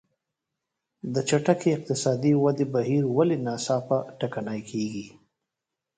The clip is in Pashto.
د چټکې اقتصادي ودې بهیر ولې ناڅاپه ټکنی کېږي.